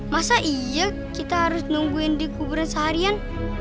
masa iya kita harus nungguin di kuburan seharian